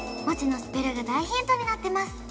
文字のスペルが大ヒントになってます